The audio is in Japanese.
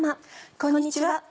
こんにちは。